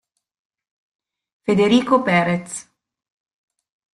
Federico Pérez